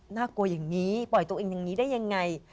น่ากลัวอย่างนี้ปลอดศักดิ์ตัวเองยังงี้ได้ยังไง